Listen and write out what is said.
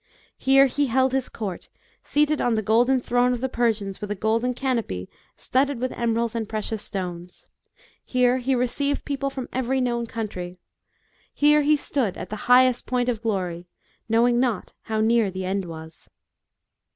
Here he held his court, seated on the golden throne of the Persians, with a golden canopy studded with emeralds and precious stones. Here he received people from every known country. Here he stood v at the highest point of glory, know ing not, how near the end was.